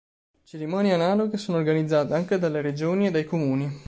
Cerimonie analoghe sono organizzate anche dalle Regioni e dai Comuni.